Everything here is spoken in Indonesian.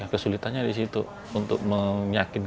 kesulitanya di situ untuk berjaga jaga dan berjaga jaga di sini